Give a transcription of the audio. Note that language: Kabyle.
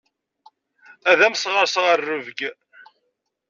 Ad am-sɣerseɣ rrebg.